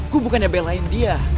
gue bukannya belain dia